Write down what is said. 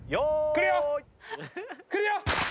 来るよ！